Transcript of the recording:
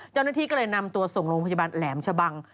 เจ้าหน้าที่ก็เลยนำตัวส่งโรงพยาบาลแหลมชะบัง